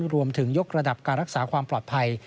ยกระดับการรักษาความปลอดภัย